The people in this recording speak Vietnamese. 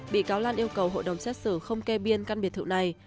bị cáo lan yêu cầu hội đồng xét xử không kê biên căn biệt thự này